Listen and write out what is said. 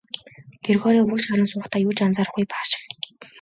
Грегори урагш харан суухдаа юу ч анзаарахгүй байх шиг.